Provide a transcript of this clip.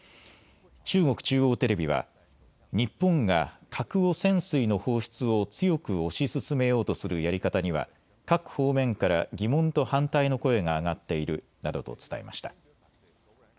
中国中央テレビは日本が核汚染水の放出を強く推し進めようとするやり方には各方面から疑問と反対の声が上がっているなどと伝えました。